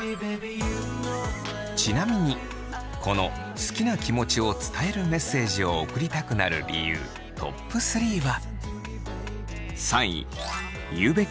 ちなみにこの好きな気持ちを伝えるメッセージを送りたくなる理由トップ３は。